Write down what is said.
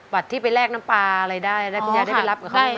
บัตรที่ไปแลกน้ำปลาอะไรได้คุณยายได้ไปรับกับเขาไหม